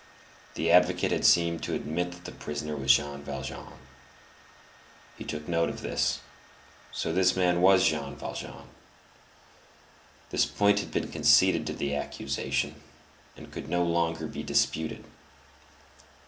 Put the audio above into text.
The advocate had seemed to admit that the prisoner was Jean Valjean. He took note of this. So this man was Jean Valjean. This point had been conceded to the accusation and could no longer be disputed.